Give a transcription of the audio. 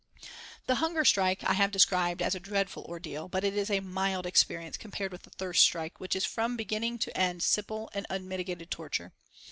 The hunger strike I have described as a dreadful ordeal, but it is a mild experience compared with the thirst strike, which is from beginning to end simple and unmitigated torture.